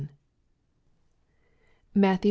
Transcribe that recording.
MATTHEW Xn.